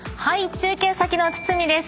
中継先の堤です。